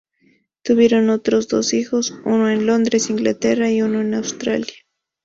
Tuvieron otros dos hijos, uno en Londres, Inglaterra, y uno en Australia.